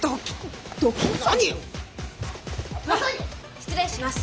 失礼します。